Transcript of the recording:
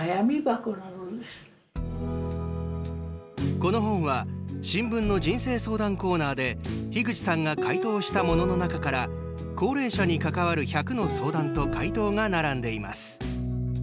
この本は新聞の人生相談コーナーで樋口さんが回答したものの中から高齢者に関わる１００の相談と回答が並んでいます。